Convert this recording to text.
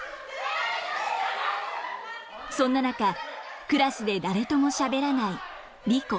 そんな中クラスで誰ともしゃべらないリコ。